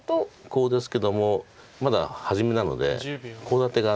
コウですけどもまだ初めなのでコウ立てが何もない。